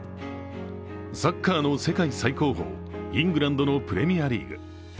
サッカーの世界最高峰、イングランドのプレミアリーグ。